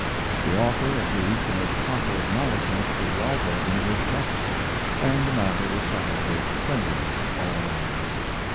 The author agreed to make proper acknowledgments to the Alta in his preface, and the matter was settled with friendliness all around.